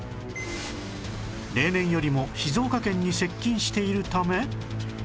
例年よりも静岡県に接近しているため